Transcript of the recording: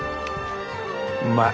うまい！